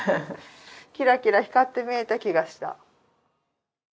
キラキラ光って見えた気がした。